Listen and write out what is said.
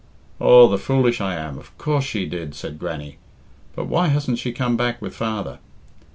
"Aw, the foolish I am! Of course she did," said Grannie; "but why hasn't she come back with father?"